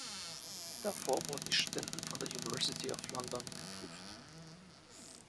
Davor wurden die Studenten von der University of London geprüft.